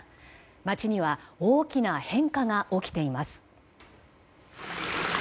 街には大きな変化が起きています。